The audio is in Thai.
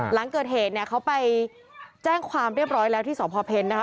หลังเกิดเหตุเนี่ยเขาไปแจ้งความเรียบร้อยแล้วที่สพเพ็ญนะคะ